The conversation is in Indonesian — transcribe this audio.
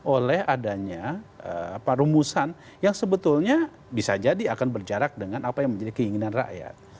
oleh adanya rumusan yang sebetulnya bisa jadi akan berjarak dengan apa yang menjadi keinginan rakyat